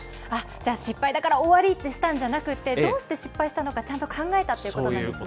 じゃあ、失敗だから終わりってしたんじゃなくて、どうして失敗したのか、ちゃんと考えたっていうことなんですね。